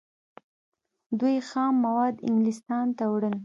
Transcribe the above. دوی خام مواد انګلستان ته وړل.